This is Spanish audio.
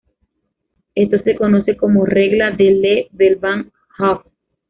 Esto se conoce como regla de Le Bel-van't Hoff.